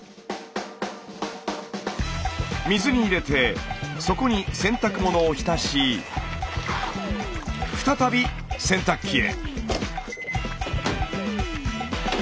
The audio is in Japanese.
水に入れてそこに洗濯物を浸し再び洗濯機へ。